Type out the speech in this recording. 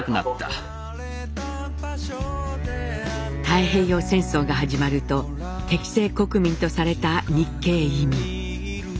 太平洋戦争が始まると「敵性国民」とされた日系移民。